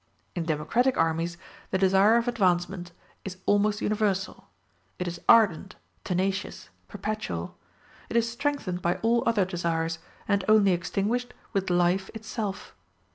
In democratic armies the desire of advancement is almost universal: it is ardent, tenacious, perpetual; it is strengthened by all other desires, and only extinguished with life itself.